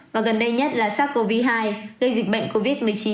và gần đây nhất là sars cov hai gây dịch bệnh covid một mươi chín